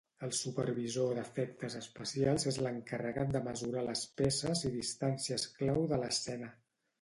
El supervisor d’efectes especials és l’encarregat de mesurar les peces i distàncies clau de l’escena.